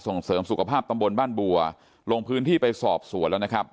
ส่งเสริมสุขภาพตำบลบ้านบัวลงพื้นที่ไปสอบสวนแล้วนะครับ